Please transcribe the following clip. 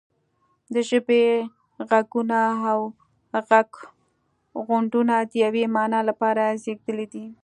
د ژبې غږونه او غږغونډونه د یوې معنا لپاره زیږیدلي دي